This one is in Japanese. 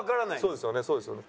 そうですよねそうですよね。